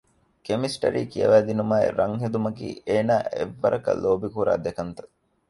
ކެމިސްޓަރީ ކިޔަވައިދިނުމާއި ރަންހެދުމަކީ އޭނާ އެއްވަރަކަށް ލޯބިކުރާ ދެކަންތައް